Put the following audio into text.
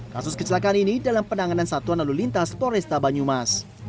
kasus kecelakaan ini dalam penanganan satuan lalu lintas polresta banyumas